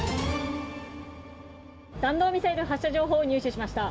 弾道ミサイル発射情報入手しました。